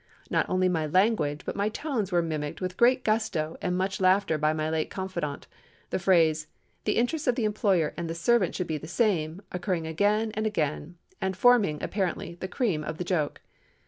Not only my language, but my tones were mimicked with great gusto and much laughter by my late confidante—the phrase 'The interests of the employer and the servant should be the same' occurring again and again, and forming, apparently, the cream of the joke.